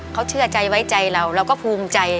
เขาเชื่อใจไว้ใจเราเราก็ภูมิใจ